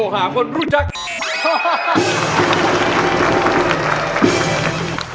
ห้าครับห้าห้าห้า